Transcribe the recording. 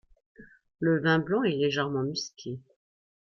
Le vin blanc est légèrement musqué.